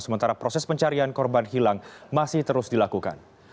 sementara proses pencarian korban hilang masih terus dilakukan